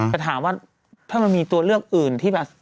แต่ถามว่าถ้ามันมีตัวเลือกอื่น